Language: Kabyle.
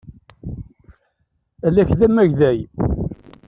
Alak d amagday.